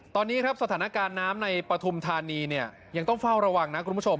ตอนนี้ครับสถานการณ์น้ำในปฐุมธานีเนี่ยยังต้องเฝ้าระวังนะคุณผู้ชม